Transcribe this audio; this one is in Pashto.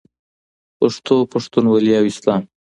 پښتو، پښتونولي او اسلام.